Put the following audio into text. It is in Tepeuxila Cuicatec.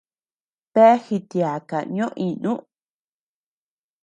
Bea jityaaka ñoo iinuu.